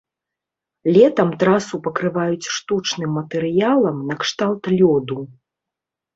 Летам трасу пакрываюць штучным матэрыялам накшталт лёду.